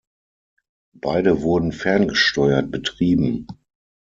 Beide wurden ferngesteuert betrieben.